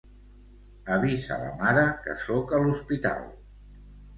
Avisa la mare, que soc a l'hospital.